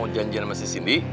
janjian sama si sindi